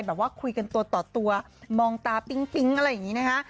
แบบว่าคุยกันตัวต่อตัวมองตาปิ๊งอะไรอย่างนี้นะคะ